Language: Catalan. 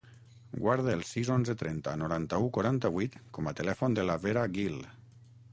Guarda el sis, onze, trenta, noranta-u, quaranta-vuit com a telèfon de la Vera Guil.